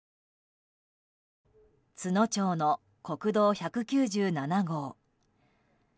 津野町の国道１９７号。